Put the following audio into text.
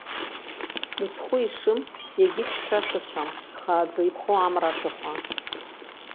Мыцхәы ишым, иагьыхьшәашәацәам, ихааӡа иԥхо амра ашәахәа.